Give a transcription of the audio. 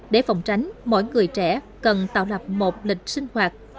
để phòng tránh mỗi người trẻ cần tạo lập một lịch sinh hoạt